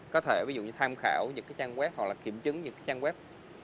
có thể ví dụ như tham khảo những cái trang web hoặc là kiểm chứng những cái trang web